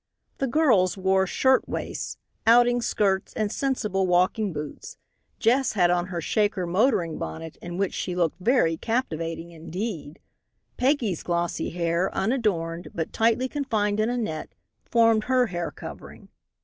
The girls wore shirt waists, outing skirts and "sensible" walking boots. Jess had on her "Shaker" motoring bonnet, in which she looked very captivating indeed. Peggy's glossy hair, unadorned, but tightly confined in a net, formed her hair covering.